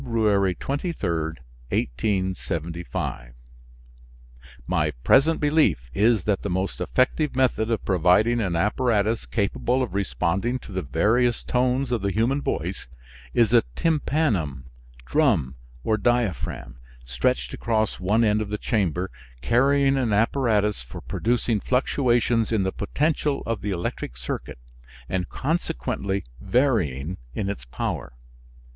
23, 1875. My present belief is that the most effective method of providing an apparatus capable of responding to the various tones of the human voice is a tympanum, drum, or diaphragm, stretched across one end of the chamber, carrying an apparatus for producing fluctuations in the potential of the electric circuit and consequently varying in its power.